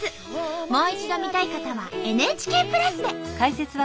もう一度見たい方はＮＨＫプラスで。